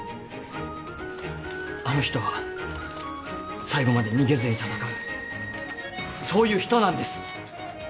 あの人は最後まで逃げずに闘うそういう人なんです。